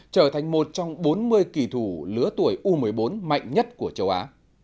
trở thành một trong bốn mươi kỳ thủ lứa tuổi u một mươi bốn mạnh nhất của châu á